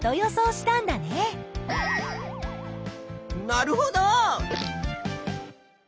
なるほど！